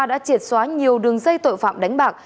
đã triệt xóa nhiều đường dây tội phạm đánh bạc